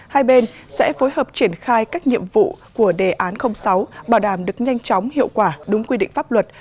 hai bên sẽ phối hợp triển khai các nhiệm vụ của đề án sáu bảo đảm được nhanh chóng hiệu quả đúng quy định pháp luật